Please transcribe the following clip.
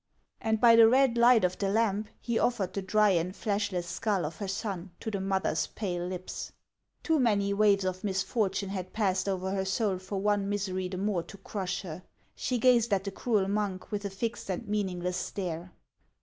And by the red light of the lamp, he offered the dry and fleshless skull of her son to the mother's pale lips. Too many waves of misfortune had passed over her soul for one misery the more to crush her. She gazed at the cruel monk with a fixed and meaningless stare.